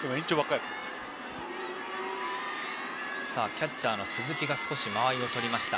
キャッチャーの鈴木が少し間合いをとりました